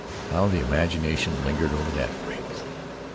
How the imagination lingered over that phrase!